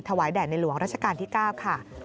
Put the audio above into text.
ถวายแด่ในหลวงรัชกาลที่๙ค่ะ